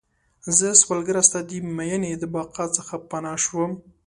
زه سوالګره ستا د میینې، د بقا څخه پناه شوم